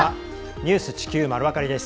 「ニュース地球まるわかり」です。